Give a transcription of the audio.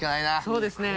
そうですね。